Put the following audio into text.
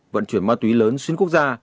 vận chuyển ma túy lớn xuyên quốc gia